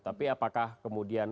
tapi apakah kemudian